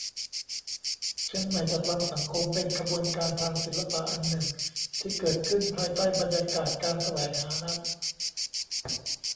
"เชียงใหม่จัดวางสังคม" เป็นขบวนการทางศิลปะอันหนึ่งที่เกิดขึ้นภายใต้บรรยากาศการแสวงหานั้น